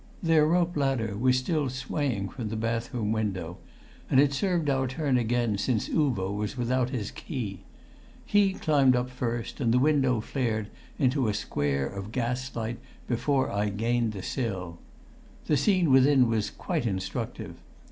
Their rope ladder was still swaying from the bathroom window, and it served our turn again since Uvo was without his key. He climbed up first, and the window flared into a square of gas light before I gained the sill. The scene within was quite instructive.